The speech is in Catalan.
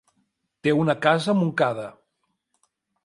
Té una casa a Montcada.